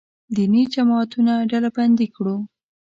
دیني جماعتونه ډلبندي کړو.